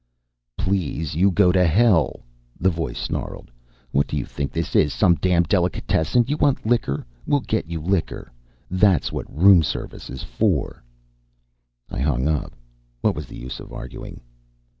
"Please, you go to hell!" the voice snarled. "What do you think this is, some damn delicatessen? You want liquor, we'll get you liquor. That's what room service is for!" I hung up. What was the use of arguing?